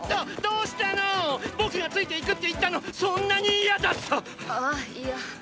どうしたの⁉僕がついて行くって言ったのそんなに嫌だった⁉あいや。